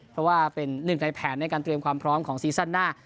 เพราะว่าเป็นหนึ่งในแผนในการเตรียมความพร้อมของซีซั่นหน้า